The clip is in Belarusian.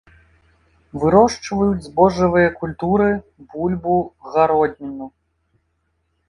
Вырошчваюць збожжавыя культуры, бульбу, гародніну.